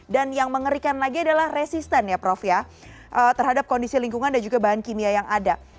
dan yang mengerikan lagi adalah resisten ya prof ya terhadap kondisi lingkungan dan juga bahan kimia yang ada